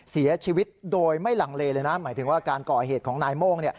เสียชีวิตโดยไม่ลังเลเลยนะหมายถึงว่าการก่อเหตุของนายโม่ง